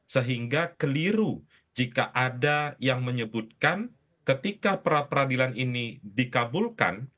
sehingga keliru jika ada yang menyebutkan ketika pra peradilan ini dikabulkan